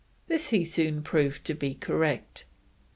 This he soon proved to be correct.